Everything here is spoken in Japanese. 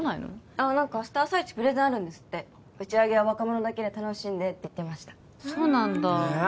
あっ何か明日朝イチプレゼンあるんですって「打ち上げは若者だけで楽しんで」って言ってましたそうなんだえー